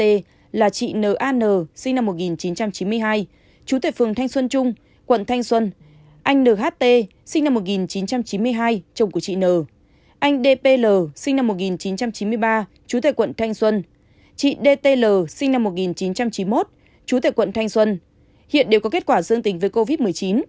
anh nht là chị nan sinh năm một nghìn chín trăm chín mươi hai chú tại phường thanh xuân trung quận thanh xuân anh nht sinh năm một nghìn chín trăm chín mươi hai chồng của chị n anh dpl sinh năm một nghìn chín trăm chín mươi ba chú tại quận thanh xuân chị dtl sinh năm một nghìn chín trăm chín mươi một chú tại quận thanh xuân hiện đều có kết quả dương tình với covid một mươi chín